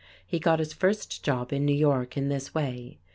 He got his first job in New York in this way.